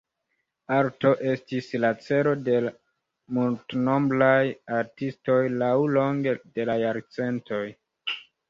Arto estis la celo de multnombraj artistoj laŭlonge de la jarcentoj.